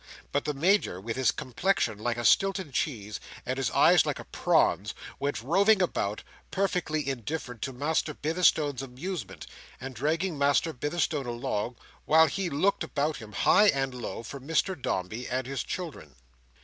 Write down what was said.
But the Major, with his complexion like a Stilton cheese, and his eyes like a prawn's, went roving about, perfectly indifferent to Master Bitherstone's amusement, and dragging Master Bitherstone along, while he looked about him high and low, for Mr Dombey and his children.